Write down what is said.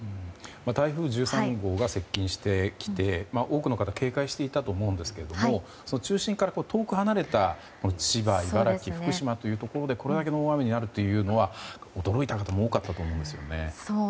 台風１３号が接近してきて多くの方が警戒していたと思うんですけど中心から遠く離れた千葉、茨城福島というところでこれだけの大雨になるというのは驚いた方も多かったと思うんですよね。